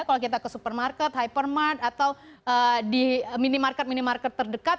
kalau kita ke supermarket hypermark atau di minimarket minimarket terdekat